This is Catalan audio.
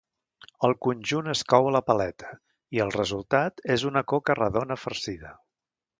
El conjunt es cou a la paleta, i el resultat és una coca redona farcida.